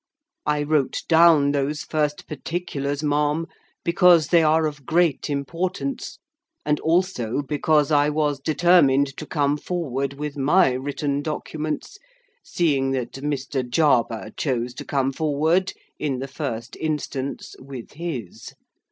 I wrote down those first particulars, ma'am, because they are of great importance, and also because I was determined to come forward with my written documents, seeing that Mr. Jarber chose to come forward, in the first instance, with his.